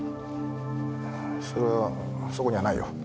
それはそこにはないよ。